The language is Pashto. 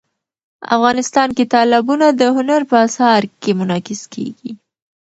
افغانستان کې تالابونه د هنر په اثار کې منعکس کېږي.